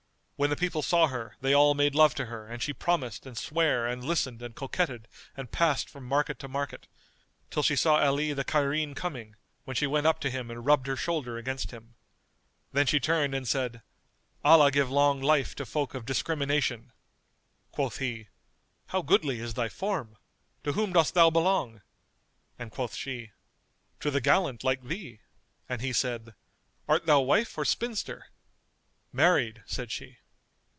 When the people saw her, they all made love to her and she promised and sware and listened and coquetted and passed from market to market, till she saw Ali the Cairene coming, when she went up to him and rubbed her shoulder against him. Then she turned and said "Allah give long life to folk of discrimination!" Quoth he, "How goodly is thy form! To whom dost thou belong?"; and quoth she, "To the gallant[FN#227] like thee;" and he said, "Art thou wife or spinster?" "Married," said she.